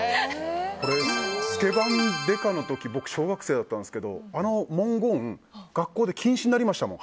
「スケバン刑事」の時僕、小学生だったんですけどあの文言、学校で禁止になりましたもん。